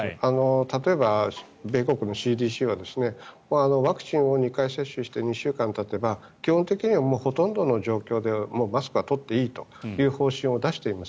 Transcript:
例えば、米国のＣＤＣはワクチンを２回接種して２週間たてば基本的にもうほとんどの状況でマスクは取っていいという方針を出しています。